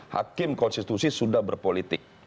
hakim konstitusi sudah berpolitik